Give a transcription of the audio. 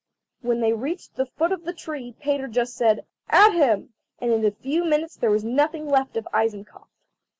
When they reached the foot of the tree Peter just said: "At him!" And in a few minutes there was nothing left of Eisenkopf.